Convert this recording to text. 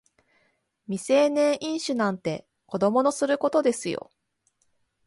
未成年飲酒なんて子供のすることですよ